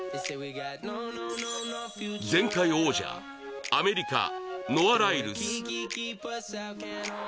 前回王者、アメリカノア・ライルズ。